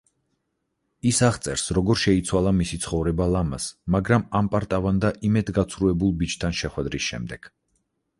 ის აღწერს როგორ შეიცვალა მისი ცხოვრება ლამაზ, მაგრამ ამპარტავან და იმედგაცრუებულ ბიჭთან შეხვედრის შემდეგ.